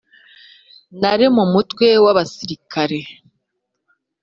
Nari mu mutwe w abasirikare